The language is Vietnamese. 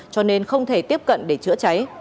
cho nên không thể tiếp cận để chữa cháy